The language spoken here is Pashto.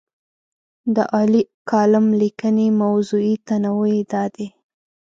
د عالي کالم لیکنې موضوعي تنوع یې دا دی.